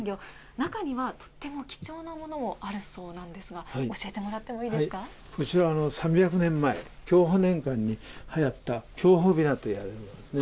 中にはとっても貴重なものもあるそうなんですが、教えてもらってこちら、３００年前、享保年間にはやった、享保びなといわれるものですね。